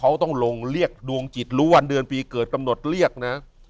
เขาต้องลงเรียกดวงจิตรู้วันเดือนปีเกิดกำหนดเรียกนะ